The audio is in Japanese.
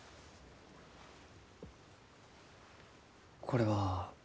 これは？